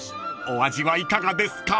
［お味はいかがですか？］